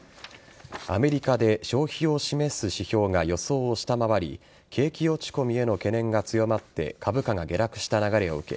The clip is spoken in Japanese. アメリカで消費を示す指標が予想を下回り景気落ち込みへの懸念が強まって株価が下落した流れを受け